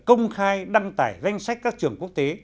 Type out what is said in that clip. công khai đăng tải danh sách các trường quốc tế